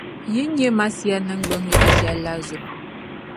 yi ni nyɛ Masia niŋgbuŋ yaɣ’ shɛl’ la zuɣu.